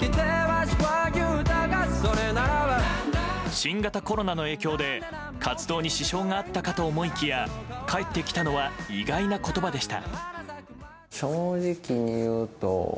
新型コロナの影響で活動に支障があったかと思いきや返ってきたのは意外な言葉でした。